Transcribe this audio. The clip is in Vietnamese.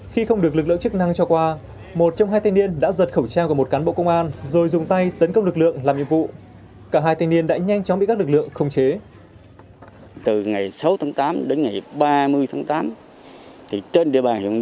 khi không được lực lượng chức năng cho qua một trong hai thanh niên đã giật khẩu trang của một cán bộ công an rồi dùng tay tấn công lực lượng làm nhiệm vụ